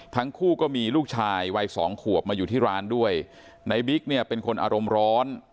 ทั้งคู่ก็มีลูกชายวัยสองขวบมาอยู่ที่ร้านด้วยในบิ๊กเนี่ยเป็นคนอารมณ์ร้อน